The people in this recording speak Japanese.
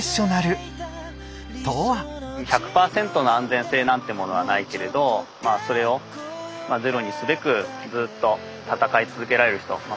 １００％の安全性なんてものはないけれどそれをゼロにすべくずっと闘い続けられる人。